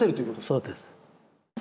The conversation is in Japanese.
そうです。